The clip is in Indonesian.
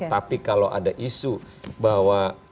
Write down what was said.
tapi kalau ada isu bahwa